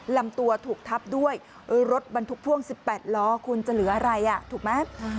ลำตัวถูกทับด้วยรถบรรทุกพ่วง๑๘ล้อคุณจะเหลืออะไรถูกไหม